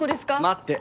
待って。